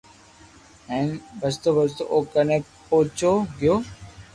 ھين ڀجتو ڀجتو او ڪني پوچو گيو